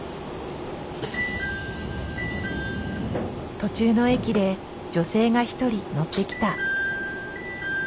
途中の駅で女性が一人乗ってきた。